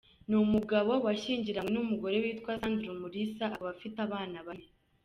Ni umugabo washyingiranywe n’umugore witwa Sandra Umulisa akaba afite abana bane.